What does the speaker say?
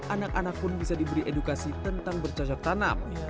anak anak pun bisa diberi edukasi tentang bercocok tanam